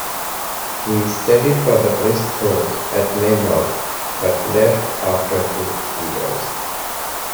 He studied for the priesthood at Maynooth, but left after two years.